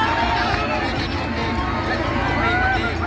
มาแล้วครับพี่น้อง